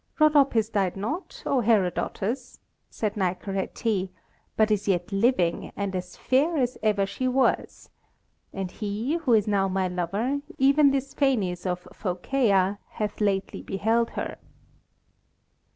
"Rhodopis died not, O Herodotus," said Nicaretê, "but is yet living, and as fair as ever she was; and he who is now my lover, even this Phanes of Phocæa, hath lately beheld her."